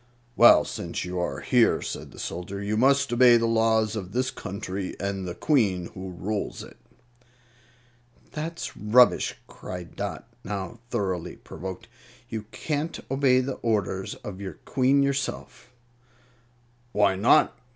"Well, since you are here," said the soldier, "you must obey the laws of this country and the Queen who rules it." "That's rubbish!" cried Dot, now thoroughly provoked. "You can't obey the orders of your Queen yourself." "Why not?"